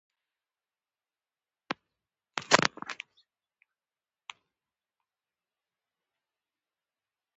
په شنو سیمو کې اور مه بل کړئ.